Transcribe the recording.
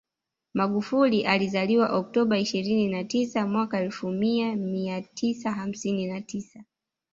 Magufuli alizaliwa Oktoba ishirini na tisa mwaka elfu mija mia tisa hamsini na tisa